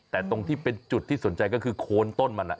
แต่ตรงที่เป็นจุดที่สนใจก็คือโคนต้นมัน